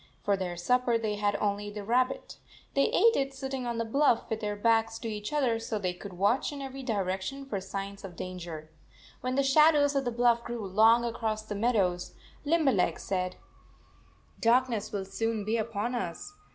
For their supper they had only the rabbit. They ate it sitting on the bluff, with their backs to each other so they could watch in every direction for signs of danger. When the shadow of the bluff grew long across the meadows, Lim berleg said: " Darkness will soon be upon us.